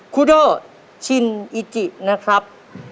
ครูโดชินอิจินะครับ